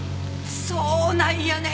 そうなんやね。